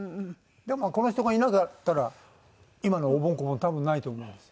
でもこの人がいなかったら今のおぼん・こぼん多分ないと思います。